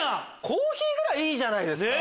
コーヒーぐらいいいじゃないですか。